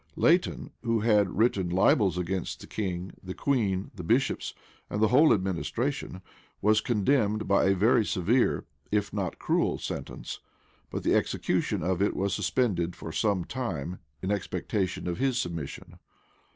[] Leighton, who had written libels against the king, the queen, the bishops, and the whole administration, was condemned by a very severe, if not a cruel sentence; but the execution of it was suspended for some time, in expectation of his submission.